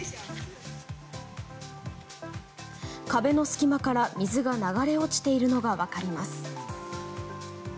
壁の隙間から、水が流れ落ちているのが分かります。